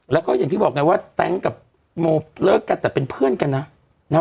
แล้วก็อย่างที่บอกไงว่าแต๊งกับโมเลิกกันแต่เป็นเพื่อนกันนะ